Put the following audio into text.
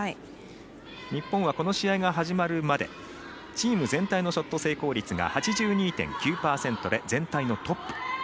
日本はこの試合が始まるまでチーム全体のショット成功率が８２．９％で全体のトップ。